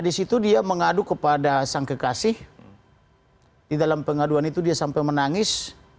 di situ dia mengadu kepada sang kekasih di dalam pengaduan itu dia sampai menangis